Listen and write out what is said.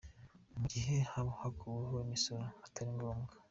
Mu gihe haba hakuweho imisoro itari ngombwa.